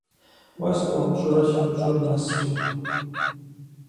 Уэ сыкъыумыщӀэурэ си гущӀэр мэсри.